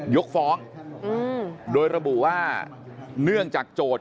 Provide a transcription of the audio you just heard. ยกฟ้องโดยระบุว่าเนื่องจากโจทย์